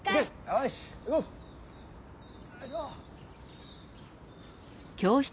よいしょ！